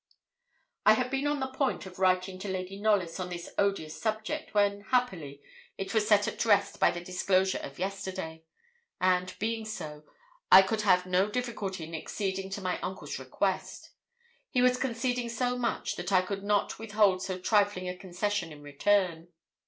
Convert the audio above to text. I had been on the point of writing to Lady Knollys on this odious subject, when, happily, it was set at rest by the disclosure of yesterday; and being so, I could have no difficulty in acceding to my uncle's request. He was conceding so much that I could not withhold so trifling a concession in return.